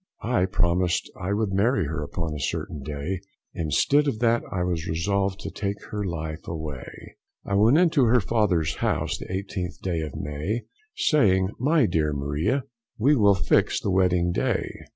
I promised I would marry her upon a certain day, Instead of that, I was resolved to take her life away. I went into her father's house the 18th day of May, Saying, my dear Maria, we will fix the wedding day.